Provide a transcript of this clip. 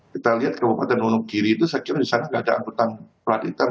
kita lihat ke bupatan manugiri itu saya kira di sana nggak ada anggota pelatihan